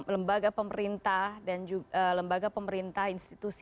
lembaga pemerintah dan juga lembaga pemerintah institusi